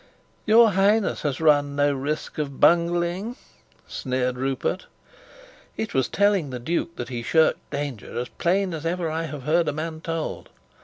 "Your Highness has run no risk of bungling!" sneered Rupert. It was telling the duke that he shirked danger as plain as ever I have heard a man told.